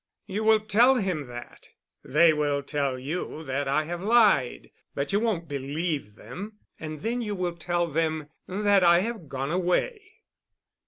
You will tell him that. They will tell you that I have lied. But you won't believe them. And then you will tell them that I have gone away."